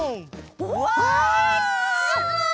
うわすごい！